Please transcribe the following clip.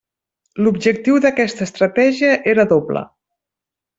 L'objectiu d'aquesta estratègia era doble.